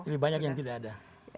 lebih banyak yang tidak ada